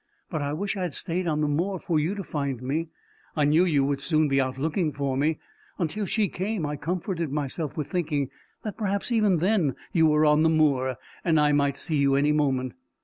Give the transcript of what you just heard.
But I wish I had staid on the moor for you to find me. I knew you would soon be out looking for me. Until she came I comforted myself with thinking that perhaps even then you were on the moor, and I might see you any moment."